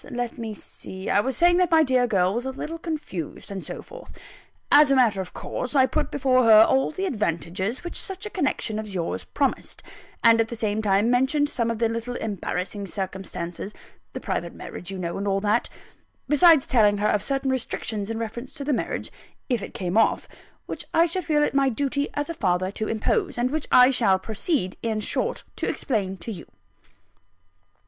Let me see: I was saying that my dear girl was a little confused, and so forth. As a matter of course, I put before her all the advantages which such a connection as yours promised and at the same time, mentioned some of the little embarrassing circumstances the private marriage, you know, and all that besides telling her of certain restrictions in reference to the marriage, if it came off, which I should feel it my duty as a father to impose; and which I shall proceed, in short, to explain to you.